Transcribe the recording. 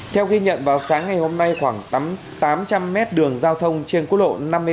theo ghi nhận vào sáng ngày hôm nay khoảng tám trăm linh mét đường giao thông trên quốc lộ năm mươi ba